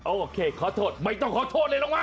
โอเคขอโทษไม่ต้องขอโทษเลยน้องมั